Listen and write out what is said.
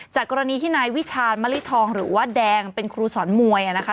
กรณีที่นายวิชาณมะลิทองหรือว่าแดงเป็นครูสอนมวยนะคะ